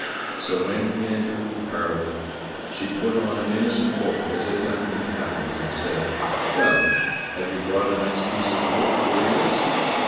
So when he entered the parlour, she put on an innocent look as if nothing had happened, and said, "Well, have you brought a nice piece of wood for reels?"